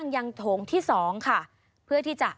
สวัสดีค่ะสวัสดีค่ะ